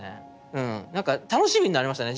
うんなんか楽しみになりましたね